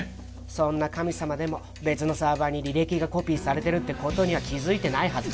そんな神様でも別のサーバーに履歴がコピーされてるってことには気付いてないはずだ